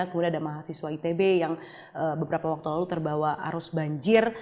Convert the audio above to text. kemudian ada mahasiswa itb yang beberapa waktu lalu terbawa arus banjir